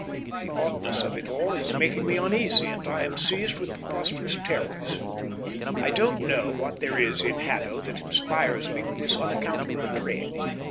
The oddness of it all is making me uneasy, and I am seized with preposterous terrors. I don't know what there is in Haddo that inspires me with this unaccountable dread.